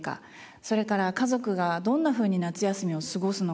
それから家族がどんなふうに夏休みを過ごすのか。